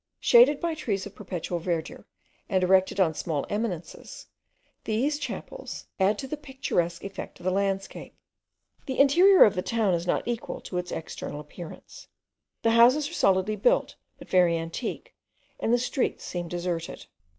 Shaded by trees of perpetual verdure, and erected on small eminences, these chapels add to the picturesque effect of the landscape. The interior of the town is not equal to its external appearance. The houses are solidly built, but very antique, and the streets seem deserted.